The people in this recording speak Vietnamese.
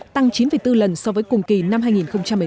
tăng chín bốn lần so với cùng kỳ năm hai nghìn một mươi tám